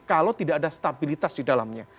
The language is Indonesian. kalau tidak ada stabilitas di dalamnya